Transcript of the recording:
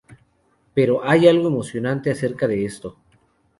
Pero hay algo emocionante acerca de esto.